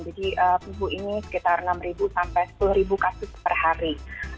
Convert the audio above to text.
jadi pembuh ini sekitar enam sampai sepuluh kasus per hari